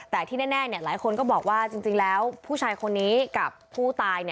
แต่ที่แน่หลายคนก็บอกว่าจริงแล้วผู้ชายคนนี้กับผู้ตาย